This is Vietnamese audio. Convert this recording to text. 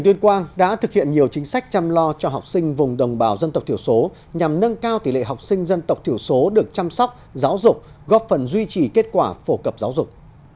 tuyên quang đã thực hiện nhiều chính sách chăm lo cho học sinh vùng đồng bào dân tộc thiểu số nhằm nâng cao tỷ lệ học sinh dân tộc thiểu số được chăm sóc giáo dục góp phần duy trì kết quả phổ cập giáo dục